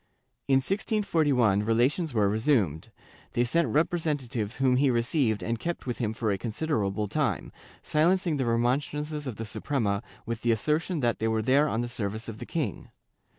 In 1641, relations were resumed; they sent representatives whom he received and kept with him for a considerable time, silencing the remon strances of the Suprema with the assertion that they were there on the service of the king.